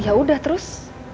ya udah terus